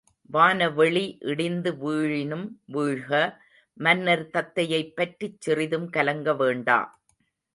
வானவெளி இடிந்து விழினும் வீழ்க, மன்னர் தத்தையைப் பற்றிச் சிறிதும் கலங்க வேண்டா.